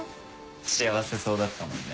幸せそうだったもんね。